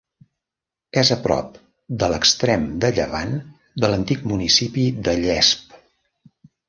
És a prop de l'extrem de llevant de l'antic municipi de Llesp.